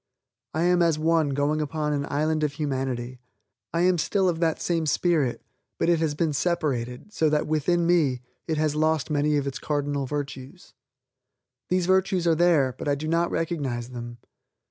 I am as one going upon an island of humanity. I am still of that same spirit; but it has been separated, so that within me, it has lost many of its cardinal virtues. These virtues are there, but I do not recognize them.